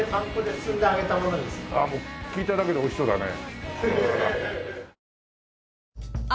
ああもう聞いただけで美味しそうだね。